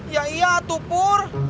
ya iya tuh pur